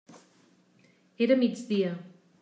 Era migdia.